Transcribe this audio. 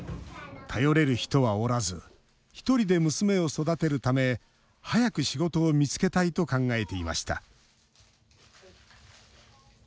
頼れる人はおらず１人で娘を育てるため早く仕事を見つけたいと考えていました。